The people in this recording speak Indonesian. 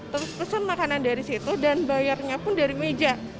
terus pesen makanan dari situ dan bayarnya pun dari meja